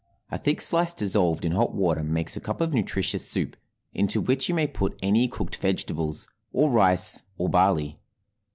A thick slice dissolved in hot water makes a cup of nutritious soup, into which you may put any cooked vegetables, or rice, or barley.